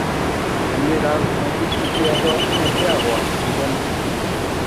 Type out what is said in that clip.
Gainera, ontzi txikiagoak merkeagoak ziren.